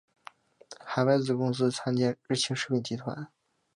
海外子公司参见日清食品集团。